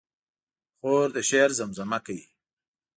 خور د شعر زمزمه کوي.